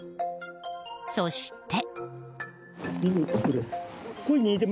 そして。